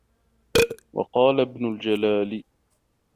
وَقَالَ ابْنُ الْجَلَّالِ